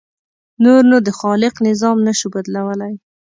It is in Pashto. نور نو د خالق نظام نه شو بدلولی.